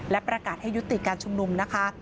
และประกาศให้ยุติการชุมนุมนะคะ